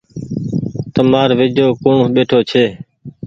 تمآر ويجهو ڪوڻ ٻيٺو ڇي۔